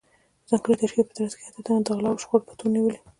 ځانګړې تشکیل په ترڅ کې اته تنه د غلاوو او شخړو په تور نیولي